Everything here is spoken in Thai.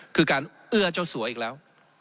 คือการเอื้อเจ้าสัวอีกแล้ว